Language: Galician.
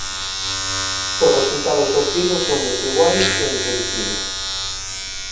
Os resultados obtidos son desiguais e impredicibles.